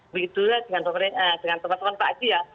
begitulah dengan teman teman pak aji ya